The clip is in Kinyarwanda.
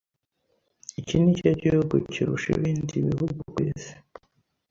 Iki nicyo gihugu kirusha ibindi bihugu ku isi